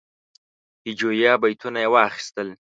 هجویه بیتونه یې واخیستل.